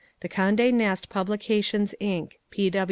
The Conde Nast Publications, Inc.